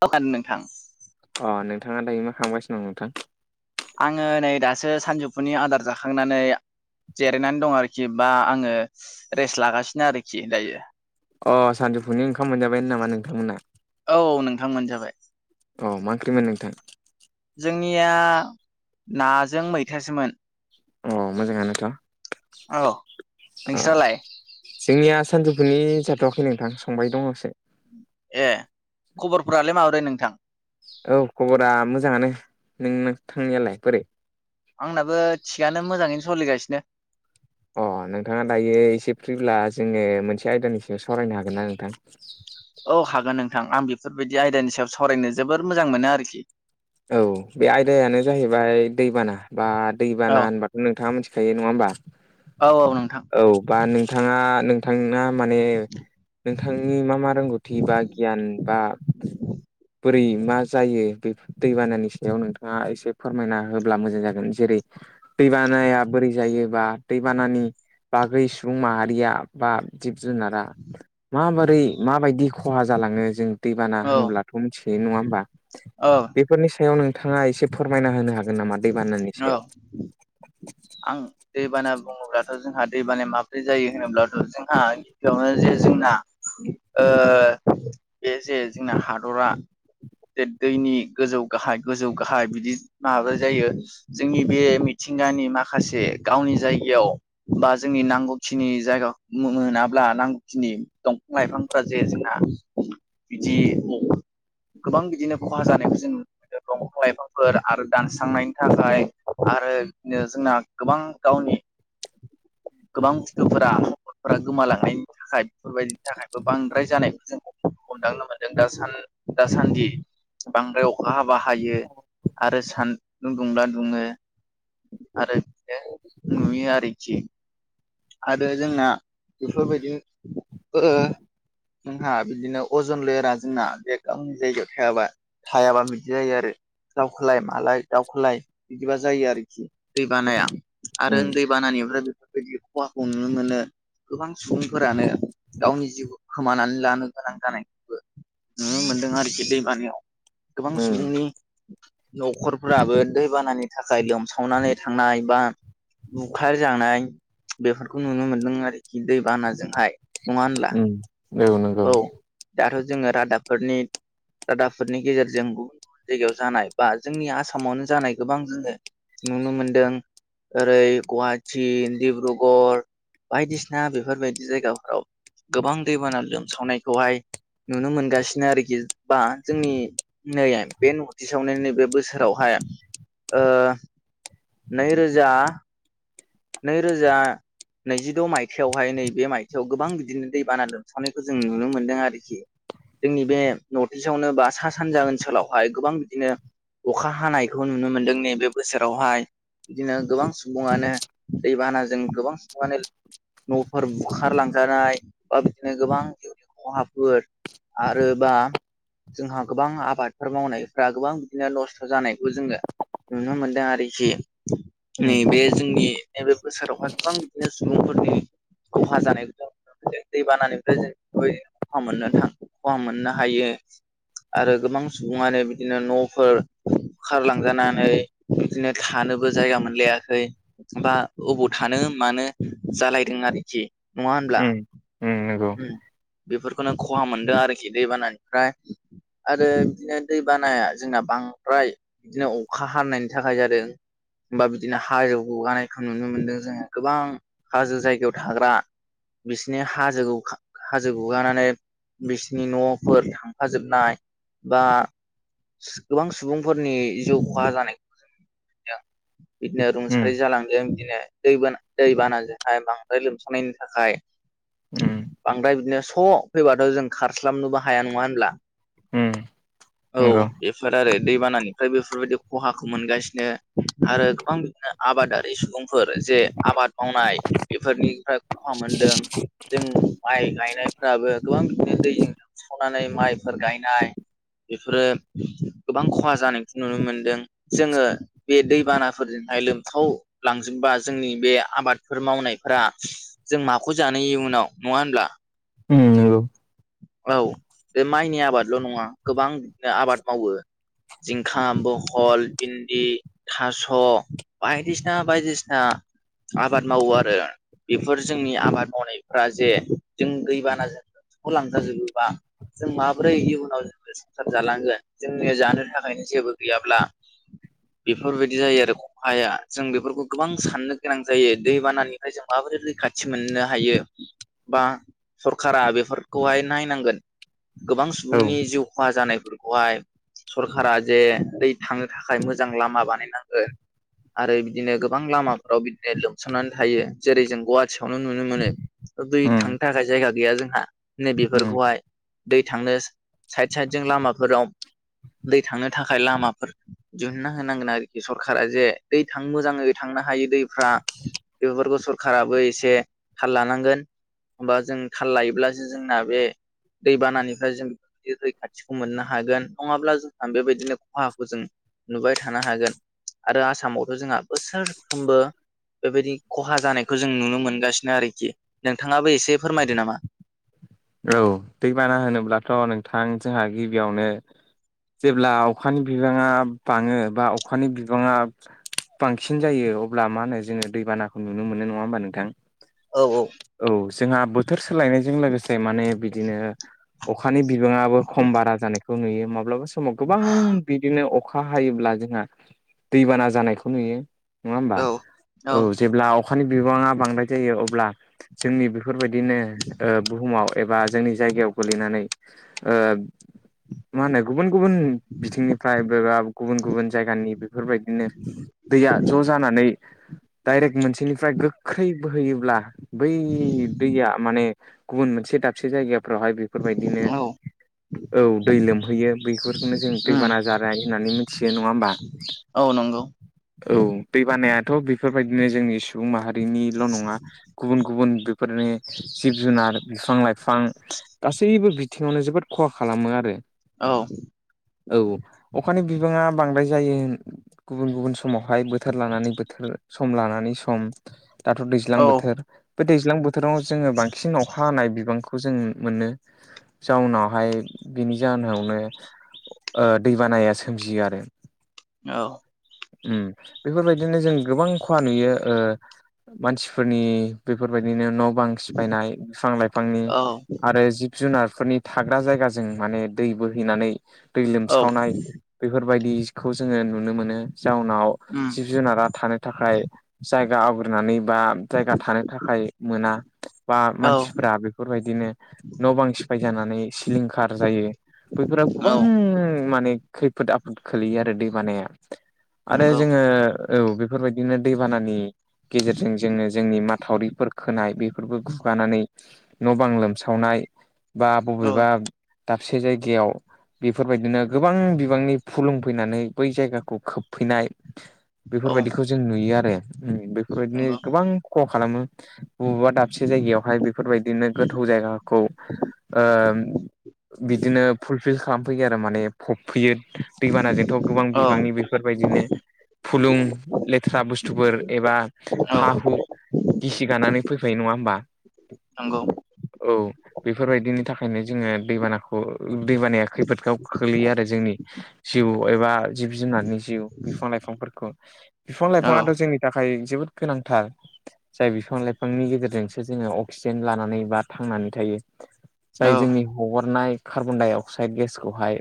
[unintelligible] नोंथां अ नोंथाङा दायो मा खालामगासिनों नोंथां आङो नै दासो सानजौफुनि आदार जाखांनानै जिरायनानै दं आरोखि बा आङो रेस्ट लागासिनो आरोखि दायो। अ सानजौफुनि ओंखाम मोनजाबायमोन नामा नोंथांमोना? औ नोंथांमोन जाबाय। अ मा ओंख्रिमोन नोंथां? जोंनिया नाजों मैथासोमोन। अ मोजाङानो नोंथां औ [unintelligible] नोंस्रालाय जोंनिया सानजौफुनि जाथ'वाखै नोंथां संबाय दंससे। ए खबरफोरालाय माबोरै नोंथां? औ खबरा मोजाङानो नों थांनायालाय बोरै? आंनाबो थिगानो मोजाङैनो सोलिगासिनो। अ नोंथाङा दायो एसे फ्रिब्ला जोङो मोनसे आयदानि सायाव सावरायनो हागोन ना नोंथां? [unintelligible] औ हागोन नोंथां आं बेफोरबायदि आयदानि सायाव सावरायनो जोबोर मोजां मोनो आरोखि। औ बे आयदायानो जाहैबाय दैबाना बा औ दैबाना होनबा नोंथाङा मिथिखायो नङा होमबा? औ औ नोंथां औ बा नोंथाङा नोंथां माने नोंथांनि मा मा रोंगौथि बा गियान बा बोरै मा जायो? बे दैबानानि सायाव नोंथाङा एसे फोरमायना होब्ला मोजां जागोन। जेरै दैबानाया बोरै जायोबा दैबानानि बागै सुबुं माहारिया बा जिब जुनारा माबोरै माबायदि खहा जालाङो जों दैबाना औ होनब्लाथ' मिथियो नङा होमबा? औ। बेफोरनि सायाव नोंथाङा एसे फोरमायना होनो हागोन नामा? दै बानानि औ सायाव। आं दैबाना बुङोब्लाथ' जोंहा दैबानाया माब्रै जायो होनोब्लाथ'? जोंहा बेयावनो जे जोंना बे जे जोंना हादरा दैनि गोजौ गाहाय गोजौ गाहाय बिदि माबा जायो। जोंनि बे मिथिंगानि माखासे गावनि जायगायाव बा जोंनि नांगौखिनि जायगा मोनाब्ला नांगौखिनि दंफां लाइफां जे जोंना बिदि गोबां बिदिनो खहा जानायखौ जों दंफां लाइफांफोर आरो दानस्रांनायनि थाखाय आरो बिनो जोंना गोबां गावनि गोबां गुथुफोरा फोर गोमालांनायनि थाखाय बेफोरबायदिनि थाखायबो बांद्राय जानाय जों हमदांनो मोनदों द दासान्दि। बांद्राय अखा हाबा हायो आरो सान्दुं दुंब्ला दुङो। आरो बे नुयो आरोखि आरो जोंना बेफोरबायदि ओ जोंहा बिदिनो अजन लरा जोंना बे गावनि जायगायाव थायाबा‌। थायाबा बिदि जायो आरो दावखोलाय मालाय दावखोलाय बिदिबा जायो आरोखि। दै बानाया आरो उम दै बानानिफ्राय बेफोरबायदि खहाखौ नुनो मोनो। गोबां सुबुंफोरानो गावनि जिउखौ खोमानानै लानो गोनां जानायखौबो नुनो मोनदों आरोखि दैमानिायाव। गोबां उम सुबुंनि न'खरफोराबो दैबानानि थाखाय लोमसावनानै थांनाय बा बुखार जानाय बेफोरखौ नुनो मोनदों आरोखि दै बानाजोंहाय। [unintelligible] उम औ नंगौ। दाथ' जोङो रादाबफोरनि रादाबफोरनि गेजेरजों गुबुन गुबुन जायगायाव जानाय बा जोंनि आसामावनो जानाय गोबां जोङो नुनो मोनदों। ओरै गुवाहाटिी डिब्रुगऱ बायदिसिना बेफोरबायदि जायगाफोराव गोबां दैबाना लोमसावनायखौहाय नुनो मोनगासिनो आरोखि बा जोंनि नै बे नर्ट इस्टआवनो नैबे बोसोरावहाय ओ नै रोजा नै रोजा नैजिद' मायथाइआवहाय नैबे मायथाइयाव गोबां बिदिनो दैबाना लोमसावनायखौ जों नुनो मोन्दों आरोखि। जोंनि बे नर्थ इस्टआवनो बा सा सानजा ओनसोलावहाय गोबां बिदिनो अखा हानायखौ नुनो मोन्दों नैबे बोसोरावहाय बिदिनो गोबां सुबुङानो दैबानाजों गोबां [unintelligible] न'फोर बुखारलांजानाय बा बिदिनो गोबां खहाफोर आरो बा जोंहा गोबां आबादफोर मावनायफ्रा गोबां बिदिनो नस्थ' जानायखौ जोङो नुनो मोनदों आरोखि उम नैबे जोंनि नैबे बोसोरावहाय गोबां बिदिनो सुबुंफोरनि खहा जानायखौ दै बानानिफ्राय जों [unintelligible] खहा मोननो हायो। आरो गोबां सुबुङानो बिदिनो न'फोर बुखारलांजानानै बिदिनो थानोबो जायगा मोनलायाखै बा अबाव थानो मानो जालायदों आरोखि नङा होनब्ला। ओं नोंगौ उम बेफोरखौनो खहा मोनदों आरोखि दैबानानिफ्राय आरो बिदिनो दै बानाया जोंना बांद्राय बिदिनो अखा हानायनायनि थाखाय जादों। होमबा बिदिनो हाजो गुगानायखौ नुनो मोनदों जोङो गोबां हाजो जायगायाव थाग्रा बिसिनि हाजोखौ हा-हाजो गुगानानै बिसिनि न'फोर थांफाजोबनाय बा गोबां सुबुंफोरनि जिउ खहा जानायखौ जों [inaudible] मोनदों। बिदिनो उम रुंसारि जालांदों बिदिनो दै बाना दैबानाजोंहाय बांद्राय लोमसावनायनि थाखाय उम बांद्राय बिदिनो स' फैबाथ' जों खारस्लाबनोबो हाया नङा होनब्ला। उम औ नंगौ बेफोर आरो दैबानानि ओमफ्राय बेफोरबायदि खहाखौ मोनगासिनो आरो गोबां बिदिनो आबादारि सुबुंफोर जे आबाद मावनाय बेफोरनिफ्राय खहा मोनदों जों माइ गायनायफ्राबो गोबां बिदिनो दैजों लोमसावनानै माइफोर गायनाय बेफोरो गोबां खहा जानायखौ नुनो मोनदों जोङो बे दैबानाफोरजोंहाय लोमसाव लांजोबबा जोंनि बे आबादफोर मावनायफोरा जों माखौ जानो इउनाव नङा होनब्ला। उम नोंगौ। औ बे माइनि आबादल' नङा, गोबां बिदिनो आबाद मावो। जिंखा, बहल, भिन्दि थास' बायदिसिना बायदिसिना आबाद मावो आरो बेफोर जोंनि आबाद मावनायफ्रा जे जों दैबाना जों खौ लांजाजोबोबा, जों माबोरै इयुनाव संसार जालांगोन जोंनिया जानो थाखायनो जेबो गैयाब्ला बेफोरबायदि जायो आरो खहाया, जों बेफोरखौ गोबां साननो गोनां जायो दैबानानिफ्राय जों माबोरै रैखाथि मोननो हायो। बा सरखारा बेफोरखौहाय नायनांगोन। गोबां औ सुबुंनि जिउ खहा जानायफोरखौहाय सरखारा जे दै थांनो थाखाय मोजां लामा बानायनांगोन आरो बिदिनो गोबां लामाफोराव बिदिनो लोमसावनानै थायो जेरै जों गुवाहाटियावनो नुनो मोनो। दै उम थांनो थाखाय जायगा गैया जोंहा। नै उम बेफोरखौहाय, दै थांनो साइद साइद जों लामाफोराव दै थांनो थाखाय लामाफोर दिहुनना होनांगोन आरोखि सरखारा जे दै थां मोजाङै थांनो हायो दैफ्रा बेफोरखौ सरखाराबो एसे थाल लानांगोन। होमबा जों थाल लायोब्ला जोंना बे दैबानानिफ्राय जों रैखाथिखौ मोननो हागोन, नङाब्ला जोंहा बेबायदिनो खहाखौ जों नुबाय थानो हागोन आरो आसामावथ' जोंहा बोसोरफ्रोमबो बेबायदि खहा जानायखौ जों नुनो मोनगासिनो आरोखि, नोंथाङाबो एसे फोरमायदो नामा? औ दैबाना होनोब्लाथ' नोंथां जोंहा गिबियावनो जेब्ला अखानि बिबाङा बाङो बा अखानि बिबाङा बांसिन जायो अब्ला मा होनो जोङो दैबानाखौ नुनो मोनो नङा होमबा नोंथां। औ औ। औ जोंहा बोथोर सोलायनायजों लोगोसे माने बिदिनो अखानि बिबाङाबो खम बारा जानायखौ नुयो। माब्लाबा समाव गोबां बिदिनो अखा हायोब्ला जोंहा दैबाना जानायखौ नुयो। नङा होमबा औ औ जेब्ला अखानि बिबाङा बांद्राय जायो अब्ला जोंनि बेफोरबायदिनो बुहुमाव एबा जोंनि जायगायाव गोलैनानै ओ [unintelligible] मा होनो गुबुन गुबुन बिथिंनिफ्राय बेबा गुबुन गुबुन जायगानि बेफोरबायदिनो दैया ज' जानानै डाइरेक्ट मोनसेनिफ्राय गोख्रै बोहोयोब्ला बै दैया माने गुब मोनसे दसे जायगायाव समावहाय बेफोरबायदिनो औ औ दै लोमहैयो बेफोरखौनो जों उम दैबाना जानाय होननानै मिथियो नङा होमबा? औ नंगौ। औ दै बानायाथ' बेफोरबायदिनो जोंनि सुबुं माहारि निल' नङा गुबुन गुबुन बेफोरनि जिब जुनार बिफां लाइफां, गासैबो बिथिङावनो जोबोद खहा खालामो आरो। औ। औ अखानि बिबाङा बांद्राय जायो गुबुन गुबुन समावहाय बोथोर लानानै बोथोर सम लानानै सम दाथ' दैज्लां औ बोथोर, बे दैज्लां बोथोराव जोङो बांसिन अ बिबांखौ जों मोनो जाउनावहाय बिनि जाहोनावनो दैबानाया सोमजियो आरो। औ। बेफोरबायदिनो जों गोबां खहा नुयो ओ मानसिफोरनि बेफोरबायदिनो न' बां सिफायनाय बिफां लाइफांनि औ आरो जिब जुनारफोरनि थाग्रा जायगाजों माने दै बोहैनानै दै औ लोमसावनाय बेफोरबायदिखौ जोङो नुनो मोनो जाउनाव उम जिब जुनारा थानो थाखाय जायगा आवग्रिनानै बा जायगा थानो थाखाय मोना बा औ मानसि फोरा बेफोरबायदिनो न' बां सिफाय जानानै सिलिंखार जायो बैफोर औ गोबां माने खैफोद आफोद खोलैयो आरो दै बानाया आरो नंगौ जोङो औ बेफोरबायदिनो दैबानानि गेजेरजों जोङो जोंनि माथावरिफोर खोनाय बे बेफोरबो गुगानानै न' बां लोमसावनाय बा औ बबेबा दाबसे जायगायाव बेफोरबायदिनो गोबां बिबांनि फुलुंफैनानै बै जायगाखौ खोबफैनाय औ बेफोरबायदिखौ जों नुयो आरो बेफोरबायदिनो नंगौ गोबां खहा खालामो। बबेबा दाबसे जायगायावहाय बेफोरबायदिनो गोथौ जायगाखौ ओ बिदिनो फुलफिल खालाम ह फैयो आरो माने फबफैयो दैबानाजोंथ' गोबां औ बिबांनि बेफो बे फोरबायदिनो फुलुं लेथ्रा बुस्थुफोर एबा औ हा-हु गिसि गानानै फैफायो नङा होमबा। नंगौ। औ बेफोरबायदिनि थाखायनो जोङो दैबाना औ दैबानाया खैफोदआव खोख्लैयो आरो जोंनि जिउ एबा जिब जुनारनि जिउ बिफां लाइफांफोरखौ। बिफां औ औ लाइफाङाथ' जोंनि थाखाय जोबोद गोनांथार। जाय बिफां लाइफांनि गेजेरजोंसो जोङो अक्सिजेन्ट लानानै बा थांनानै थायो। जाय जोंनि हगारनाय कार्बन दडाइ अक्साइद गेसखौहाय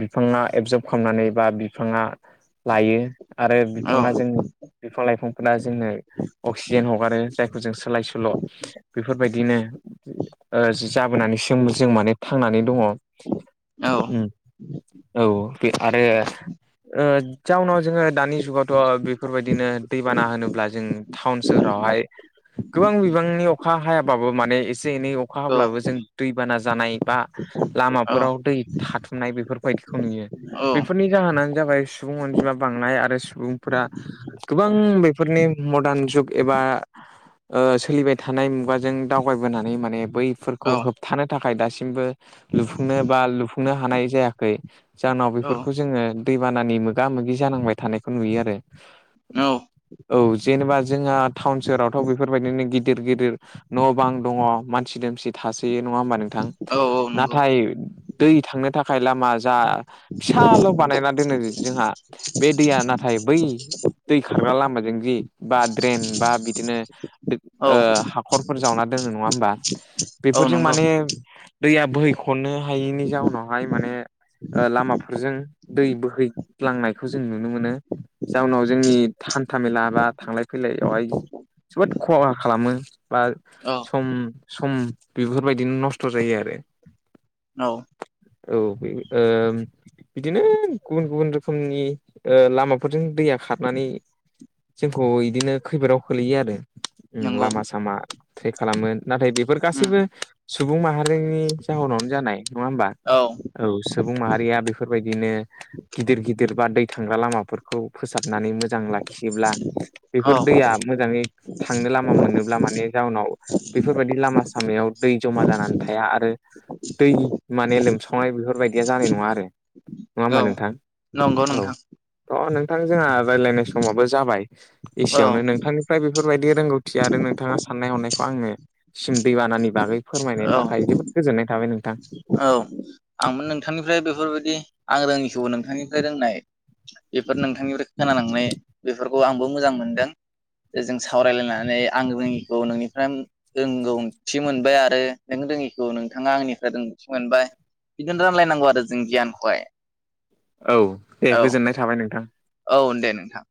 बिफाङा एबजर्ब खालामनानै बा बिफाङा लायो। आरो बिफाङा जोंनि बिफां लाइफांफोरा जोंनो अक्सिजेन हगारो जायखौ जों सोलाय सोल' बेफोरबायदिनो ओ जाबोनानैसो जों माने थांनानै दङ। औ बे आरो ओ जाउनाव जोङो दानि जुगावथ' बेफोरबायदिनो दैबाना होनोब्ला जों टाउन सोहोरावहाय गोबां बिबांनि नि अखा हायाबाबो माने एसे एनै अखा हाब्लाबो जों दैबाना जानाय बा लामाफोराव दै थाथुमनाय बेफोरबायदिखौ नुयो। औ बेफोरनि जाहोनानो जाबाय सुबुं अनजिमा बांनाय आरो सुबुंफोरा गोबां बेफोरनि मदार्न जुग एबा ओ सोलिबाय थानाय मुगाजों दावगबोनानै माने बैफोरखौ होब थानो थाखाय दासिमबो लुफुंनो बा लुफुंनो हानाय जाया जाहनाव बेफोरखौ जोङो दैबानानि मोगा मोगि जानांबाय थानायखौ नुयो आरो। नंगौ औ जेनेबा जोंहा टाउन सहोरावथ' बेफोरबायदिनो गि गिदिर गिदिर न' बां दङ मानसि दोमसि थासै नङा होमबा नोंथां। औ नाथाय दै थांनो थाखाय लामा जा फिसाल' बानायना दोनो जोंहा बे दैया ना थाय बै दै खारग्रा लामाजों जि बा ड्रेन बा बिदिनो ओ हाखरफोर जावना दोनङो नङा होमबा बेफोरजों माने नंगौ दैया बोहैखनो हायैनि जाउनावहाय माने लामाफोरजों दै बोहैलांनायखौ जों नुनो मोनो। जाउनाव जोंनि हान्था मेला बा थांलाय फैलायावहाय जोबोद खहा खालामो बा औ। सम सम बेफोरबायदिनो नस्थ' जायो आरो। नौ औ ओ बिदिनो गुबुन गुबुन रोखोमनि ओ लामाफोरजों दैया खारनानै जोंखौ बिदिनो खैफोदाव खोलैयो आरो। ओम नंगौ लामा सामा ट्रे खालामो नाथाय बेफोर उम गासैबो सुबुं माहारिनि जाहोनावनो जानाय नङा होमबा? औ सुबुं माहारिया बेफोरबायदिनो गिदिर गिदिर बा दै थांग्रा लामाफोर खौ फोसाबनानै मोजां लाखियोब्ला औ बेफोर दैया मोजाङै थांनो लामा मोनोब्ला माने जाउनाव बेफोरबायदि लामा सामायाव दै ज'मा जानानै थाया आरो दै माने लोमसावनाय बेफोरबायदिया जानाय नङा आरो नङा होमबा औ नोंथां नंगौ औ। नोंथां थ नोंथां जोंहा रायज्लायनाय समावाबो जाबाय। औ एसेयावनो नोंथांनिफ्राय बेफोरबाय रोंगौथि आरो नोंथाङा साननाय हनायखौ आंनो सिम दैबानानि बागै फोरमायनायनि थाखाय जोबोद गोजोननाय थाबाय नोंथां। औ आंबो नोंथांनिफ्राय बेफोरबायदि आं रोङिखौबो नोंथांनिफ्राय रोंनाय बेफोर नोंथांनिफ्राय खोनालांनाय बेफोरखौ आंबो मोजां मोनगोन, जों सावरायलायनानै आं रोङिखौ नोंनिफ्राय रोंगौथि मोनबाय आरो नों रोङिखौ नोंथाङा आंनिफ्राय रोंगौथि मोनबाय। बिदिनो रानलायनांगौ आरो जों गियानखौहाय औ दे औ। गोजोननाय थाबाय नोंथां। औ दे नोंथां।